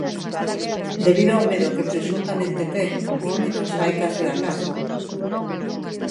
Debido ao medo que presuntamente ten, o home non sae case da casa.